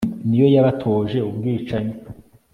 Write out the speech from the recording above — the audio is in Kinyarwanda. niyo yabatoje ubwicanyi